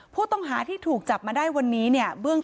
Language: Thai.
ผู้ตำรวจที่ถูกจับมาได้วันนี้เนี่ย